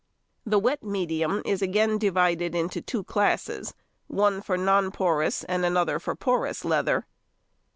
The wet medium is again divided into two classes, one for non porous and another for porous leather.